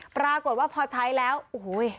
ปรากฏว่าพอใช้แล้วโอ้โห